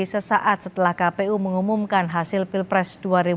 sesaat setelah kpu mengumumkan hasil pilpres dua ribu dua puluh empat